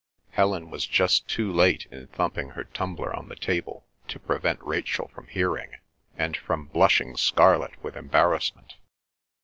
Helen was just too late in thumping her tumbler on the table to prevent Rachel from hearing, and from blushing scarlet with embarrassment.